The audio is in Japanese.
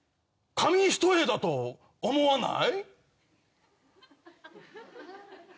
紙一重だと思わない？